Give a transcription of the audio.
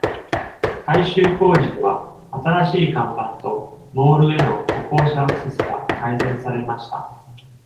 改修工事では、新しい看板とモールへの歩行者アクセスが改善されました。